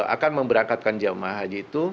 akan memberangkatkan jamaah haji itu